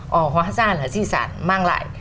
họ hóa ra là di sản mang lại